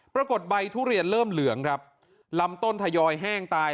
ใบทุเรียนเริ่มเหลืองครับลำต้นทยอยแห้งตาย